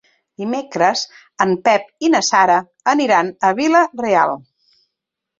Dimecres en Pep i na Sara aniran a Vila-real.